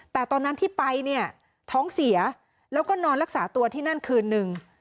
แต่ตอนนั้นที่ไปเนี่ยท้องเสียแล้วก็นอนรักษาตัวที่นั่นคืนนึง